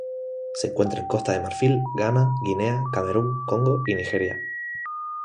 Se encuentra en Costa de Marfil, Ghana, Guinea, Camerún, Congo y Nigeria.